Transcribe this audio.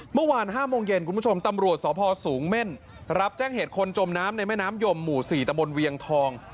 เมื่อวาน๕โมงเย็นคุณผู้ชมตำรวจสพสูงเม่นรับแจ้งเหตุคนจมน้ำในแม่น้ำยมหมู่๔ตะบนเวียงทอง